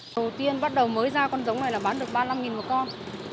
đầu tiên bắt đầu mới ra con giống này là bán được ba mươi năm một con